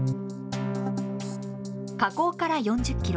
河口から４０キロ。